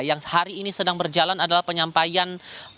yang hari ini sedang berjalan adalah penyampaian